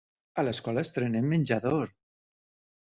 A l'escola estrenem menjador!